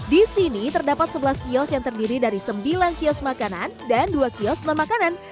di sini terdapat sebelas kios yang terdiri dari sembilan kios makanan dan dua kios non makanan